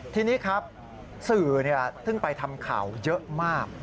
ทีนี้ครับสื่อซึ่งไปทำข่าวเยอะมาก